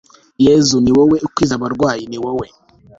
yezu ni wowe ukiza abarwayi, ni wowe